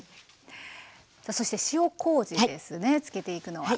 さあそして塩こうじですね漬けていくのは。